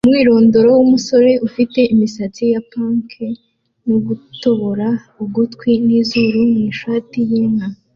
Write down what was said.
Umwirondoro wumusore ufite imisatsi ya pank no gutobora ugutwi nizuru mwishati yinka